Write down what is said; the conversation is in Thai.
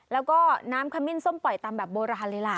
แล้วก็น้ำขมิ้นส้มปล่อยตามแบบโบราณเลยล่ะ